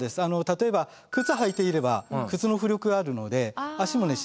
例えば靴履いていれば靴の浮力あるので足もね